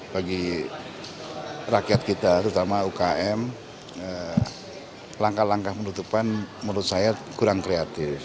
bagi rakyat kita terutama ukm langkah langkah penutupan menurut saya kurang kreatif